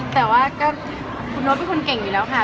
แต่ว่าก็คุณโน๊ตเป็นคนเก่งอยู่แล้วค่ะ